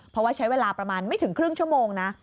เพราะว่าใช้เวลาประมาณไม่ถึงครึ่งชั่วโมงนะ